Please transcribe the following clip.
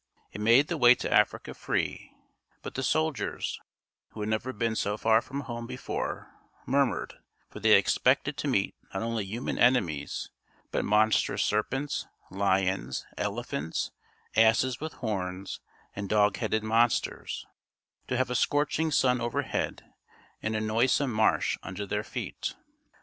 It made the way to Africa free; but the soldiers, who had never been so far from home before, murmured, for they expected to meet not only human enemies, but monstrous serpents, lions, elephants, asses with horns, and dog headed monsters, to have a scorching sun overhead, and a noisome marsh under their feet.